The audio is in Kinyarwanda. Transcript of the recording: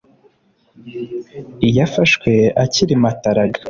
Iyo afashwe akiri mataraga